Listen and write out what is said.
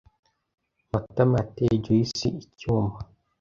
Matama yateye Joyci icyuma.